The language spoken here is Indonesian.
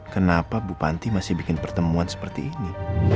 kenapa bu panti masih bikin pertemuan seperti ini